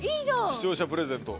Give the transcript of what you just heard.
視聴者プレゼント。